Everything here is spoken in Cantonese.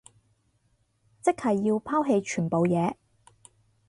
即係要拋棄全部嘢